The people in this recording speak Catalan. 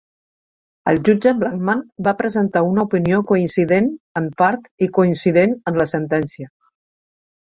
El jutge Blackmun va presentar una opinió coincident en part i coincident en la sentència.